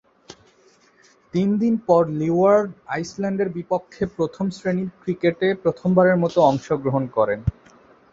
তিনদিন পর লিওয়ার্ড আইল্যান্ডসের বিপক্ষে প্রথম-শ্রেণীর ক্রিকেটে প্রথমবারের মতো অংশগ্রহণ করেন।